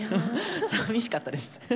さみしかったです。